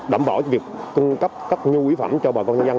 đảm bảo việc cung cấp các nguyên phẩm cho bà con nhân dân